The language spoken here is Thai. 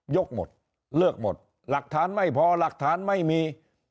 ยกหมดเลือกหมดหลักฐานไม่พอหลักฐานไม่มี